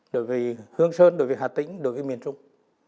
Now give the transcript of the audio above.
đối với hương sơn đối với hà tĩnh đối với miền trung